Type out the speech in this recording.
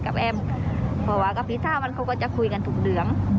กับแอมเพราะว่ากับพี่สาวมันเขาก็จะคุยกันถูกเดือม